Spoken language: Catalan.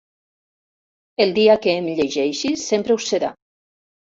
El dia que em llegeixis sempre ho serà.